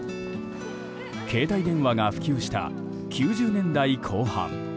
携帯電話が普及した９０年代後半。